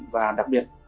và đặc biệt